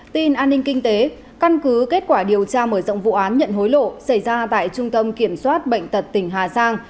tin an ninh kinh tế căn cứ kết quả điều tra mở rộng vụ án nhận hối lộ xảy ra tại trung tâm kiểm soát bệnh tật tỉnh hà giang